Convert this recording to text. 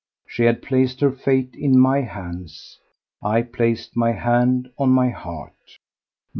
She had placed her fate in my hands; I placed my hand on my heart.